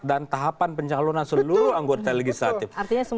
dan tahapan pencalonan seluruh anggota legislatif